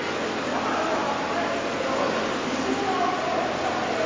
生のサンマ高いですけど水煮缶を今回使って。